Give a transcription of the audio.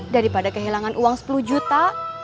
daripada kehilangan uang sepuluh juta